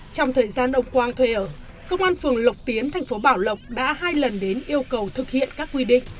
trong thời gian ông quang thuê ở công an phường lộc tiến thành phố bảo lộc đã hai lần đến yêu cầu thực hiện các quy định